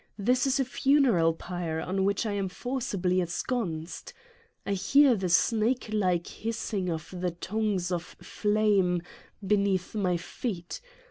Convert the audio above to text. This is a funeral pyre on which I am forcibly esconsced. I hear the snake like hissing of the tongues of flame beneath my feet.